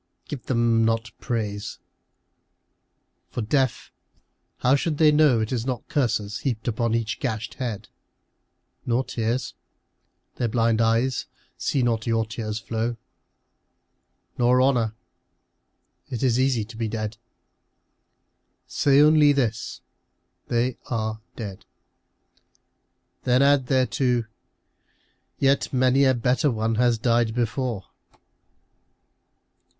Give them not praise. For, deaf, how should they know It is not curses heaped on each gashed head ? Nor tears. Their blind eyes see not your tears flow. Nor honour. It is easy to be dead. Say only this, " They are dead." Then add thereto, " Yet many a better one has died before."